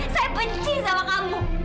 saya benci sama kamu